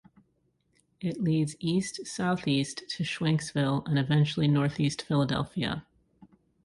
It leads east-southeast to Schwenksville and eventually Northeast Philadelphia.